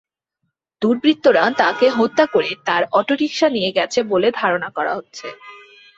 দুর্বৃত্তরা তাঁকে হত্যা করে তাঁর অটোরিকশা নিয়ে গেছে বলে ধারণা করা হচ্ছে।